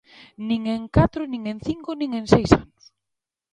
¡Nin en catro nin en cinco nin en seis anos!